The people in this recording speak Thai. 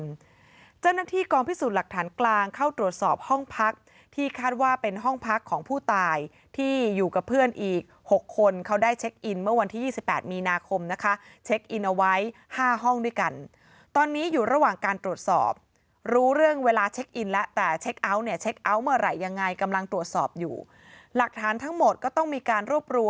ที่๒เมษายนเจ้าหน้าที่กองพิสูจน์หลักฐานกลางเข้าตรวจสอบห้องพักที่คาดว่าเป็นห้องพักของผู้ตายที่อยู่กับเพื่อนอีก๖คนเขาได้เช็คอินเมื่อวันที่๒๘มีนาคมนะคะเช็คอินเอาไว้๕ห้องด้วยกันตอนนี้อยู่ระหว่างการตรวจสอบรู้เรื่องเวลาเช็คอินและแต่เช็คเอาะเนี่ยเช็คเอาะเมื่อไหร่ยังไงกำลังตรว